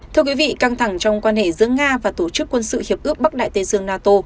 thưa quý vị căng thẳng trong quan hệ giữa nga và tổ chức quân sự hiệp ước bắc đại tây dương nato